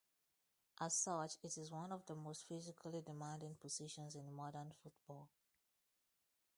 As such, it is one of the most physically demanding positions in modern football.